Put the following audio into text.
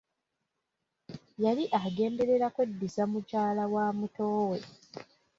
Yali agenderera kweddiza mukyala wa muto we.